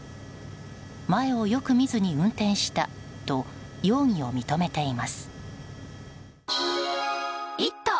前をよく見ずに運転したと容疑を認めています。